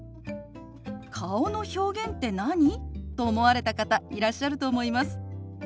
「顔の表現って何？」と思われた方いらっしゃると思います。